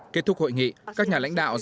kết thúc hội nghị các nhà lãnh đạo giao thông